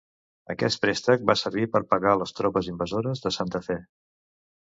Aquest préstec va servir per pagar les tropes invasores, de Santa Fe.